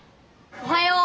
おはよう。